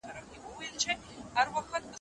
يو نه شل ځلي په دام كي يم لوېدلى